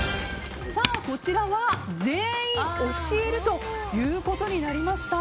全員、教えるということになりました。